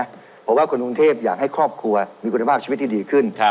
เพราะว่าคนกรุงเทพอยากให้ครอบครัวมีคุณภาพชีวิตที่ดีขึ้น